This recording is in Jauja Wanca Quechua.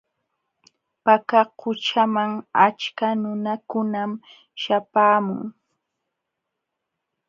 Paka qućhaman achka nunakunam śhapaamun.